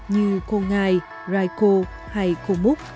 như koh ngai raiko hay koh mook